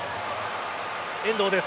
遠藤です。